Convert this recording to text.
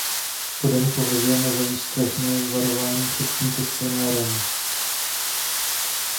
Kodaň považujme za výstražné varování před tímto scénářem.